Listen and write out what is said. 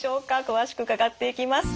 詳しく伺っていきます。